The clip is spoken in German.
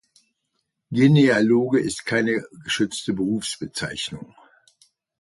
Genealoge ist keine geschützte Berufsbezeichnung.